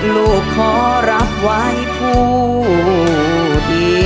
ลูกขอรับไว้ผู้ดี